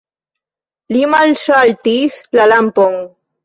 Li malŝaltis la lampon.